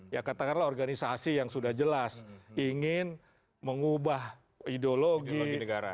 ya katakanlah organisasi yang sudah jelas ingin mengubah ideologi negara